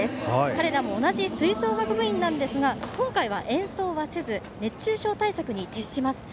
彼らも同じ吹奏楽部員なんですが今回は演奏はせず熱中症対策に徹します。